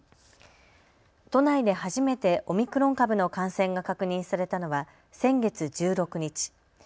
都内で初めてオミクロン株の感染が確認されたのは先月１６日。